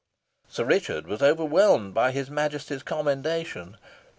Sir Richard was overwhelmed by his Majesty's commendation.